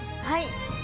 はい！